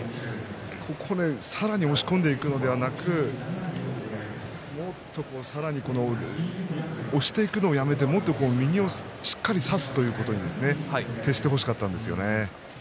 ここでさらに押し込んでいくのではなく押していくのをやめてもっと右をしっかりと差すということに徹してほしかったんですね。